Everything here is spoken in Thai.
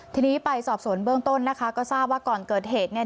ทีนี้ไปสอบสวนเบื้องต้นนะคะก็ทราบว่าก่อนเกิดเหตุเนี่ย